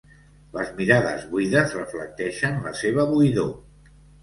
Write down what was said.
Les mirades buides reflecteixen la seva buidor.